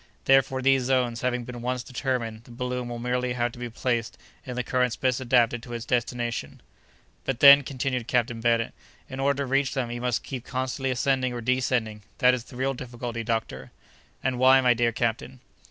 Therefore, these zones having been once determined, the balloon will merely have to be placed in the currents best adapted to its destination." "But then," continued Captain Bennet, "in order to reach them, you must keep constantly ascending or descending. That is the real difficulty, doctor." "And why, my dear captain?"